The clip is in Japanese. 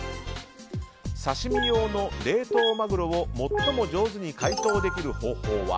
刺し身用の冷凍マグロを最も上手に解凍できる方法は？